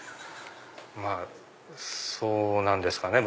まぁそうなんですかね。